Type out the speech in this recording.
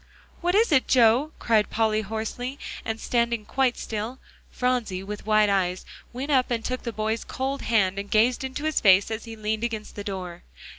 "What is it, Joe?" cried Polly hoarsely, and standing quite still. Phronsie, with wide eyes, went up and took the boy's cold hand, and gazed into his face as he leaned against the door.